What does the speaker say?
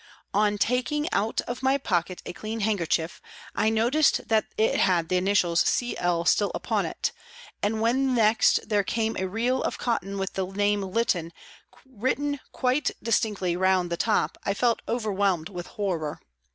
On taking out of my pocket a clean handkerchief I noticed that it had the initials " C. L." still upon it, and when next there came a reel of cotton with the name " Lytton " written quite distinctly round the top, I felt overwhelmed with horror.